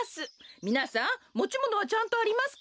みなさんもちものはちゃんとありますか？